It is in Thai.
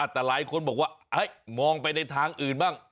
แต่หลายคนบอกว่ามองไปในทางอื่นบ้าง